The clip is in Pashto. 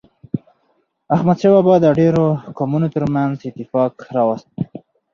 احمد شاه بابا د ډیرو قومونو ترمنځ اتفاق راوست.